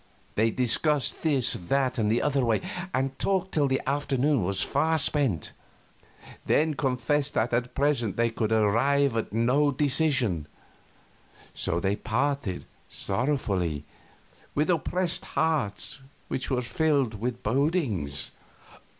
They discussed this, that, and the other way, and talked till the afternoon was far spent, then confessed that at present they could arrive at no decision. So they parted sorrowfully, with oppressed hearts which were filled with bodings.